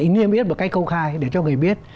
nghiêm yết bằng cách công khai để cho người biết